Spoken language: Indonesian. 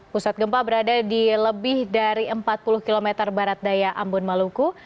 pusat gempa berada di lebih dari empat puluh km barat daya ambon maluku